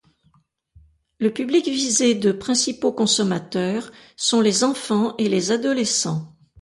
Le public visé de principaux consommateurs sont les enfants et les adolescents.